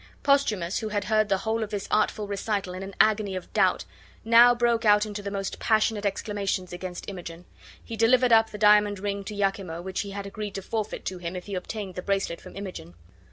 Posthumus, who had heard the whole of this artful recital in an agony of doubt, now broke out into the most passionate exclamations against Imogen. He delivered up the diamond ring to Iachimo which he had agreed to forfeit to him if he obtained the bracelet from Imogen.